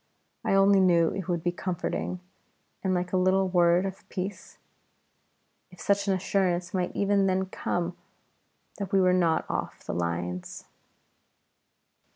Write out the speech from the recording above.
I only knew it would be comforting, and like a little word of peace, if such an assurance might even then come that we were not off the lines.